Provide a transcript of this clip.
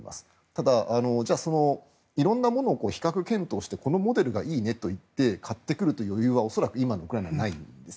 ただ、じゃあ色んなものを比較検討してこのモデルがいいねと言って買ってくるという余裕は、恐らく今のウクライナにはないんです。